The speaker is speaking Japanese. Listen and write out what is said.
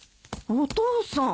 お父さん。